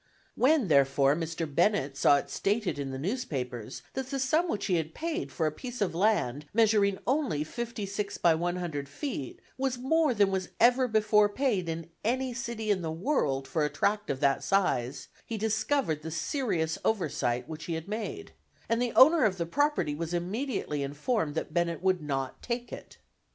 When, therefore, Mr. Bennett saw it stated in the newspapers that the sum which he had paid for a piece of land measuring only fifty six by one hundred feet was more than was ever before paid in any city in the world for a tract of that size, he discovered the serious oversight which he had made; and the owner of the property was immediately informed that Bennett would not take it.